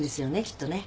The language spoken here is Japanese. きっとね。